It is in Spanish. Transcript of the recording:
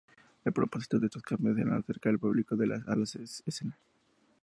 El propósito de estos cambios era acercar el público a la escena.